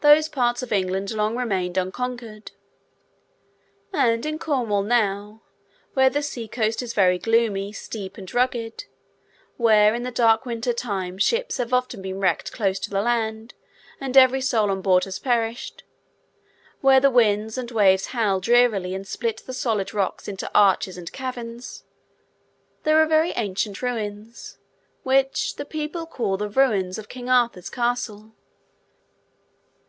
Those parts of England long remained unconquered. And in Cornwall now—where the sea coast is very gloomy, steep, and rugged—where, in the dark winter time, ships have often been wrecked close to the land, and every soul on board has perished—where the winds and waves howl drearily and split the solid rocks into arches and caverns—there are very ancient ruins, which the people call the ruins of King Arthur's Castle.